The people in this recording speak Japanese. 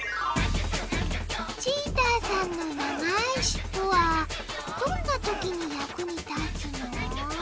チーターさんのながいしっぽはどんなときにやくにたつの？